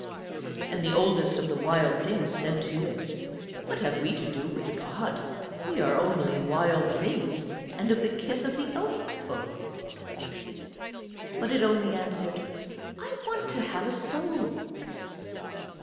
And the Oldest of the Wild Things said to it: 'What have we to do with God? We are only Wild Things, and of the kith of the Elf folk.' But it only answered, 'I want to have a soul.'